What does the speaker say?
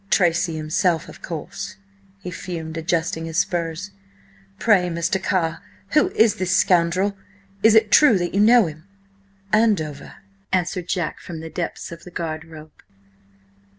"Tracy himself, of course!" he fumed, adjusting his spurs. "Pray, Mr. Carr, who is this scoundrel? Is it true that you know him?" "Andover," answered Jack from the depths of the garde robe.